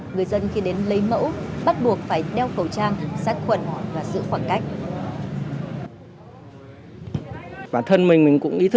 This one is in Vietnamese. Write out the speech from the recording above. người dân khi đến lấy mẫu bắt buộc phải đeo khẩu trang sát khuẩn và giữ khoảng cách